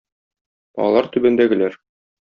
Алар түбәндәгеләр